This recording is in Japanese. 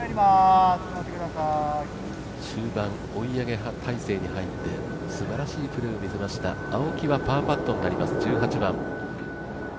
終盤、追い上げ態勢に入ってすばらしいプレーを見せました青木はパーパットになります１８番。